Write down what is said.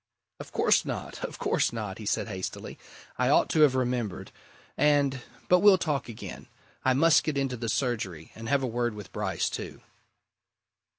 "Of course not of course not!" he said hastily. "I ought to have remembered. And but we'll talk again. I must get into the surgery and have a word with Bryce, too."